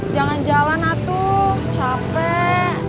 jangan jalan atuh capek